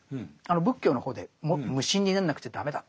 仏教の方で無心になんなくちゃ駄目だって。